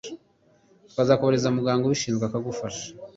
twazakubariza muganga ubishinzwe akagufasha